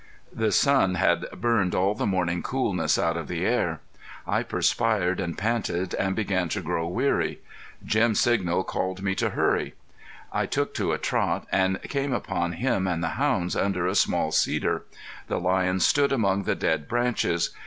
The sun had burned all the morning coolness out of the air. I perspired and panted and began to grow weary. Jim's signal called me to hurry. I took to a trot and came upon him and the hounds under a small cedar. The lion stood among the dead branches.